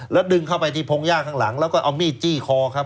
แล้วดึงเข้าไปที่พงหญ้าข้างหลังแล้วก็เอามีดจี้คอครับ